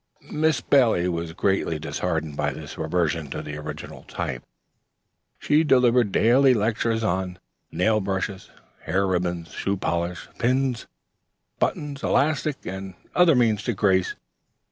Miss Bailey was greatly disheartened by this reversion to the original type. She delivered daily lectures on nail brushes, hair ribbons, shoe polish, pins, buttons, elastic, and other means to grace.